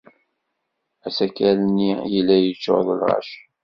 Asakal-nni yella yeččuṛ d lɣaci.